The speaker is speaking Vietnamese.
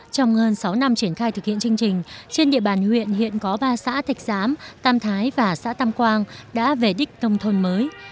trong hơn sáu năm triển khai thực hiện chương trình trên địa bàn huyện hiện có ba xã thạch giám tam thái và xã tam quang đã về đích nông thôn mới